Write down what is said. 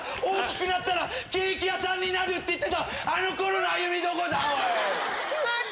大きくなったらケーキ屋さんになるって言ってたあの頃の歩美どこだ！